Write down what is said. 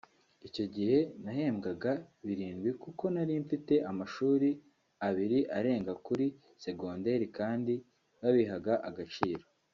Icyo gihe nahembwaga birindwi kuko nari mfite amashuri abiri arenga kuri segonderi kandi babihaga agaciro